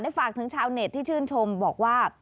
ฝากถึงชาวเน็ตที่ชื่นชมบอกว่า